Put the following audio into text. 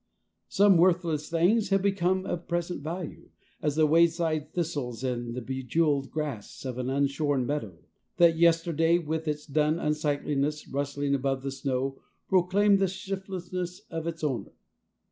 Some worthless things have become of present value, as the wayside thistles and the bejeweled grass of an unshorn meadow, that yesterday with its dun unsightliness, rustling above the snow, proclaimed the shiftlessness of its owner.